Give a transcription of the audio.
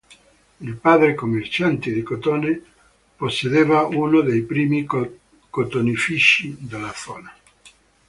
Il padre, commerciante di cotone, possedeva uno dei primi cotonifici della zona.